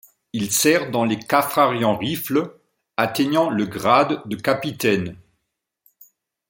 Il sert dans les Kaffrarian Rifles, atteignant le grade de capitaine.